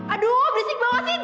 aduh berisik banget sih